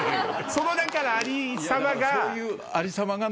そのだからありさまが。